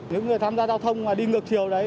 những người tham gia giao thông mà đi ngược chiều đấy